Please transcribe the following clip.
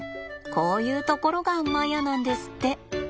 こういうところがマヤなんですって。